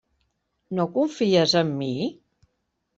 No confies en mi?